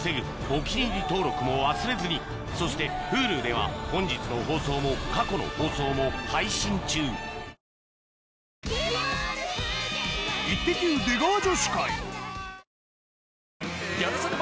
お気に入り登録も忘れずにそしてＨｕｌｕでは本日の放送も過去の放送も配信中あー